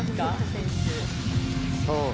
選手。